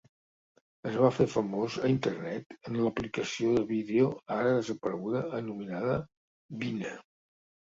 Es va fer famós a Internet en l'aplicació de vídeo ara desapareguda anomenada Vine.